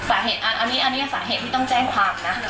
สาเหตุอันนี้สาเหตุที่ต้องแจ้งความนะ